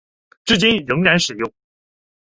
至今仍然使用。